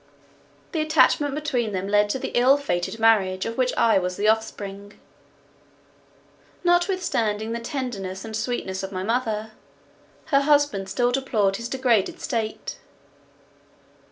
The attachment between them led to the ill fated marriage, of which I was the offspring. Notwithstanding the tenderness and sweetness of my mother, her husband still deplored his degraded state.